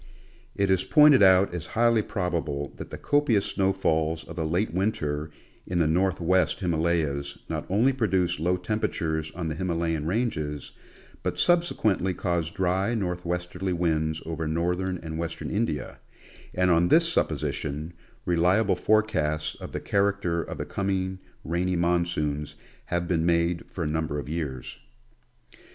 It is pointed out as highly probable that the copious snowfalls of the late winter in the northwest Himalayas not only produce low temperatures on the Himalayan ranges, but subsequently cause dry northwesterly winds over northern and western India, and on this supposition, reliable forecasts of the character of the coming rainy monsoons have been made for a number of years.